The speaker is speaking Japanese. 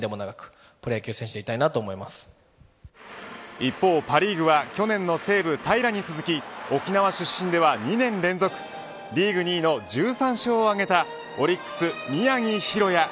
一方、パ・リーグは去年の西武、平良に続き沖縄出身では２年連続リーグ２位の１３勝を挙げたオリックス、宮城大弥。